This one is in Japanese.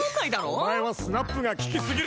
お前はスナップが利きすぎるんです！